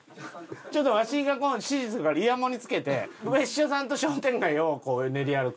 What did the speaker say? ちょっとわしが指示するからイヤモニ着けて別所さんと商店街を練り歩く。